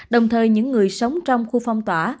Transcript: đồng thời những người sống trong khu phong tỏa